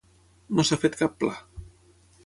No s'ha fet cap pla.